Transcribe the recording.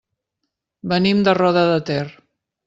Venim de Roda de Ter.